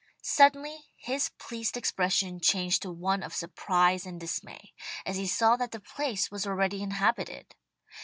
Suddenly his pleased expression changed to one of surprise and dismay, as he saw that the place was already inhabited.